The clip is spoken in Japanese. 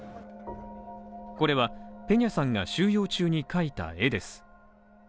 これは、ペニャさんが収容中に描いた絵です。